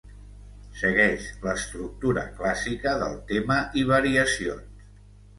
Segueix l'estructura clàssica del tema i variacions.